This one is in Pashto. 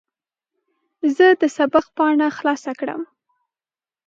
زه د سبق پاڼه خلاصه کړم.